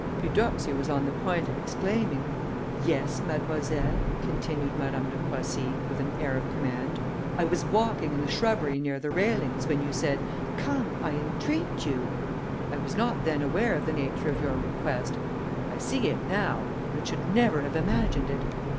Eudoxia was on the point of exclaiming "Yes, Mademoiselle," continued Madame de Croissy, with an air of command, "I was walking in the shrubbery near the railings, when you said, 'Come, I entreat you.' I was not then aware of the nature of your request; I see it now, but should never have imagined it.